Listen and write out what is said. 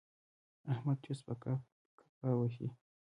احمد چوس په کفه وهي.